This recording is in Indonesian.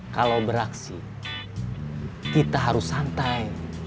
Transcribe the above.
kalau beraksi kita harus santai